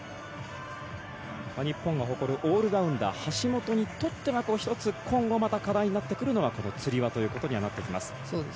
日本が誇るオールラウンダー橋本にとっては１つ、今後また課題になってくるのはこのつり輪になってきます。